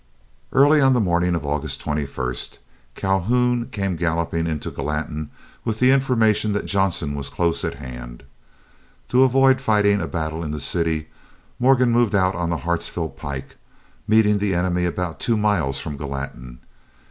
Early on the morning of August 21 Calhoun came galloping into Gallatin with the information that Johnson was close at hand. To avoid fighting a battle in the city Morgan moved out on the Hartsville pike, meeting the enemy about two miles from Gallatin.